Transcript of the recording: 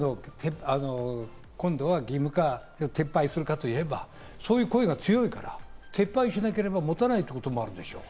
今度はなぜ義務化撤廃するかというと、そういう声が強いから撤廃しなければ持たないということもあるでしょう？